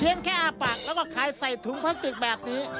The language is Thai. แค่อ้าปากแล้วก็ขายใส่ถุงพลาสติกแบบนี้